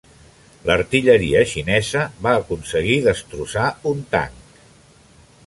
L'artilleria xinesa va aconseguir destrossar un tanc.